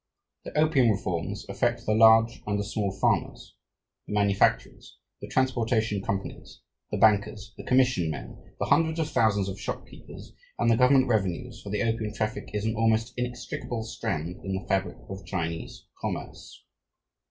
The opium reforms affect the large and the small farmers, the manufacturers, the transportation companies, the bankers, the commission men, the hundreds of thousands of shopkeepers, and the government revenues, for the opium traffic is an almost inextricable strand in the fabric of Chinese commerce.